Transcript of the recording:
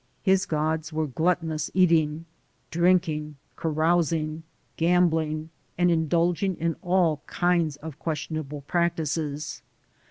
His gods were gluttonous eating, drinking, carousing, gambling, and indulging in all kinds of questionable practices.